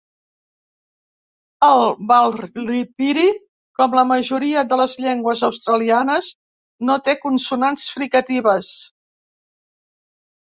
El Warlpiri, com la majoria de les llengües australianes, no té consonants fricatives.